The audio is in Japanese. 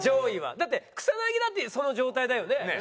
だって草薙だってその状態だよね？